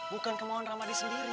bukan kemauan ramadi sendiri